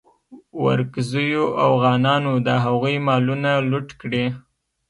ورکزیو اوغانانو د هغوی مالونه لوټ کړي.